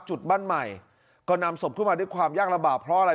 จุดบ้านใหม่ก็นำศพขึ้นมาด้วยความยากลำบากเพราะอะไร